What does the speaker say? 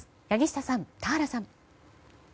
柳下さん、田原さん。